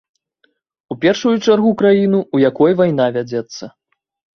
У першую чаргу краіну, у якой вайна вядзецца.